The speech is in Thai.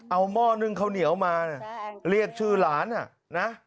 เอาหม้อนึ่งข้าวเหนียวมาเรียกชื่อหลานนะ